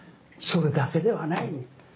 それだけではない。